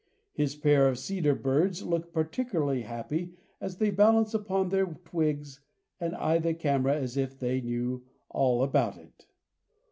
His pair of cedar birds look particularly happy as they balance upon their twigs and eye the camera as if they knew all about it.